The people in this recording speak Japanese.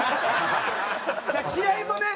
試合もね。